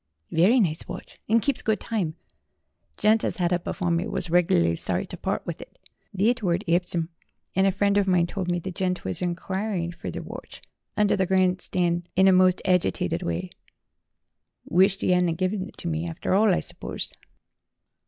"Very nice watch, and keeps good time. Gent as had it afore me was reg'lar sorry to part with it. Thet were at Epsom, and a friend of mine told me the gent were inquirin' fur thet watch under the gran' stan' in a most agitited wye. Wished 'e 'adn't give it me, arter all, I surpose."